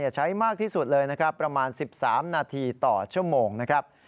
ใช้มากที่สุดเลยนะครับประมาณ๑๓นาทีต่อชั่วโมงนะครับ